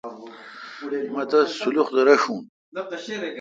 مہ تس سلخ تہ رݭون۔